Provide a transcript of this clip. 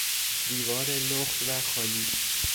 دیوار لخت و خالی